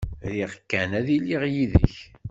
Riɣ kan ad iliɣ yid-k.